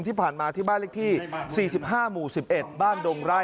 ที่ผ่านมาที่บ้านเลขที่๔๕หมู่๑๑บ้านดงไร่